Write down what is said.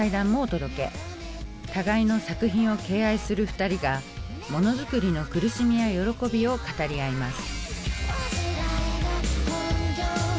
互いの作品を敬愛する２人がものづくりの苦しみや喜びを語り合います。